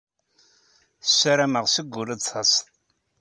Ssarameɣ seg wul ad d-tased.